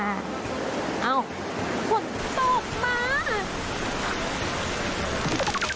เอ้าฝนตกมา